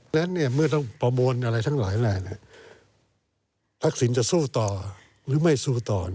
นั้นเมื่อต้องประมวลอะไรทั้งหลายแหล่งทักษิณจะสู้ต่อหรือไม่สู้ต่อ